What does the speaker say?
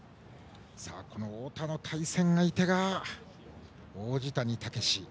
この太田の対戦相手が王子谷剛志。